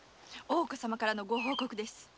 大岡様からのご報告です。